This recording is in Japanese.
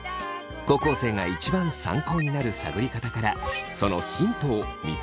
高校生が一番参考になる探り方からそのヒントを見つけてみてください。